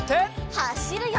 はしるよ！